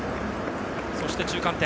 そして中間点。